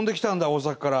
大阪から。